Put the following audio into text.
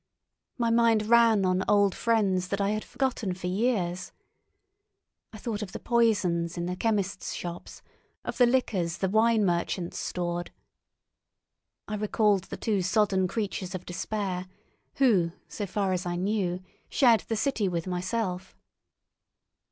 My mind ran on old friends that I had forgotten for years. I thought of the poisons in the chemists' shops, of the liquors the wine merchants stored; I recalled the two sodden creatures of despair, who so far as I knew, shared the city with myself.